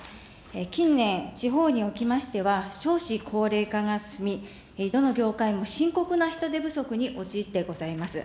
近年、地方におきましては、少子高齢化が進み、どの業界も深刻な人手不足に陥ってございます。